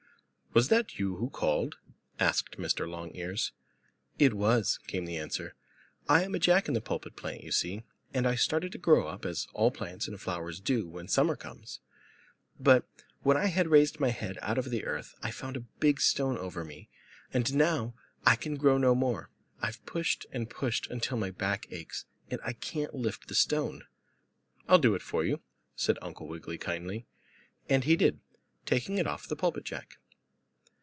"Was that you who called?" asked Mr. Longears. "It was," came the answer. "I am a Jack in the Pulpit plant, you see, and I started to grow up, as all plants and flowers do when summer comes. But when I had raised my head out of the earth I found a big stone over me, and now I can grow no more. I've pushed and pushed until my back aches, and I can't lift the stone." "I'll do it for you," said Uncle Wiggily kindly, and he did, taking it off the Pulpit Jack.